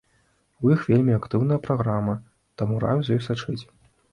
У іх вельмі актыўная праграма, таму раю за ёй сачыць.